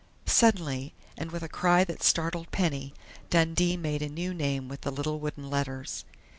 Suddenly, and with a cry that startled Penny, Dundee made a new name with the little wooden letters....